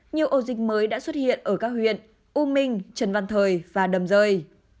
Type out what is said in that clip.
nhiều ổ dịch mới đã xuất hiện ở các huyện u minh trần văn thời và đầm rơi